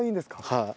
はい。